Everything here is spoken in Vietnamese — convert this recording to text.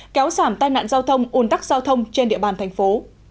kéo giảm tai nạn giao thông un tắc giao thông trên địa bàn thành phố